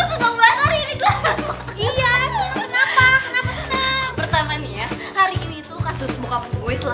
sampai jumpa di video selanjutnya